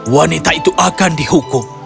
wanita itu akan dihukum